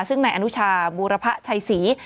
ซึ่งนายอนุชาบูรพะชัยศรี